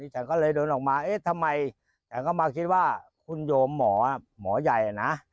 ฉันก็มาคิดว่าคุณโยมหมอหมอใหญ่นะ